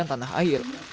dan tanah air